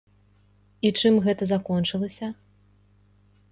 І чым гэта закончылася?